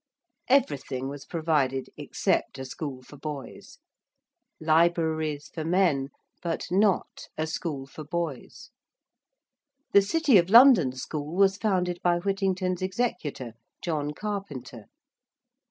Everything was provided except a school for boys. Libraries for men; but not a school for boys. The City of London School was founded by Whittington's executor, John Carpenter.